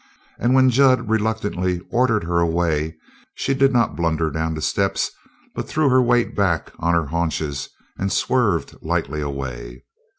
And when Jud reluctantly ordered her away she did not blunder down the steps, but threw her weight back on her haunches and swerved lightly away.